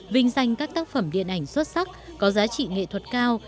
vinh danh các tác phẩm điện ảnh xuất sắc có giá trị nghệ thuật cao